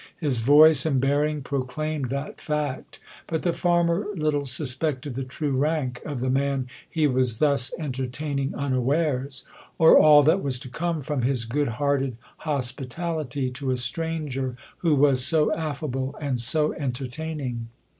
His voice and bearing proclaimed that fact. But the farmer little suspected the true rank of the man he was thus "entertaining unawares," or all that was to come from his good hearted hospitality to a stranger who was so affable and so entertaining.